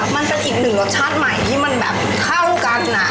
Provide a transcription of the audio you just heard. มันเป็นอีกหนึ่งรสชาติใหม่ที่มันแบบเข้ากัน